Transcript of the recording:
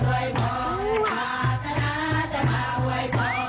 ปลา